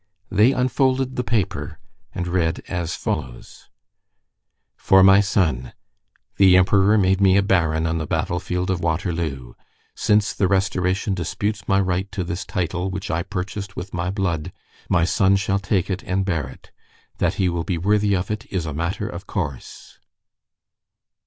They unfolded the paper and read as follows:— "For my son.—The Emperor made me a Baron on the battlefield of Waterloo. Since the Restoration disputes my right to this title which I purchased with my blood, my son shall take it and bear it. That he will be worthy of it is a matter of course."